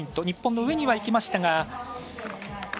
日本の上にはいきましたが。